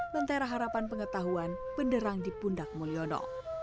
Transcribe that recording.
mentera harapan pengetahuan benderang di pundak mulyono